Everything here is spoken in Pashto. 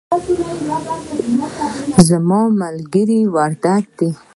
زما ملګری وردګ دی